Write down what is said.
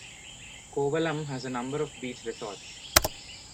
Kovalam has a number of Beach Resorts.